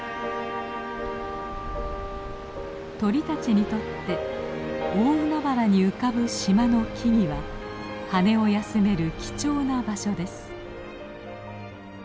鳥たちにとって大海原に浮かぶ島の木々は羽を休める貴重な場所です。